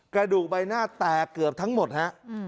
กระดูกใบหน้าแตกเกือบทั้งหมดฮะ